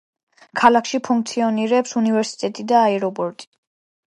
ქალაქში ფუნქციონირებს უნივერსიტეტი და აეროპორტი.